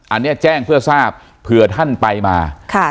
อันนี้แจ้งเพื่อทราบเผื่อท่านไปมาค่ะ